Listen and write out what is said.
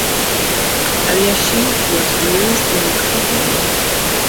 Elyashiv was raised in Kovno.